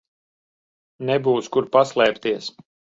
Nebūs kur paslēpties.